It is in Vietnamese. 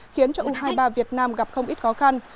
khiến cho u hai mươi ba việt nam gặp không ít khó khăn